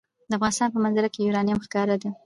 د افغانستان په منظره کې یورانیم ښکاره ده.